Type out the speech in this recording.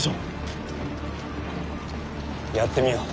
やってみよ。